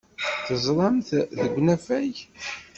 Teẓram-t deg unafag.